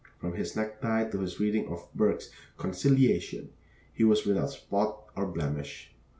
From his necktie to his reading of Burke's 'Conciliation,' he was without spot or blemish.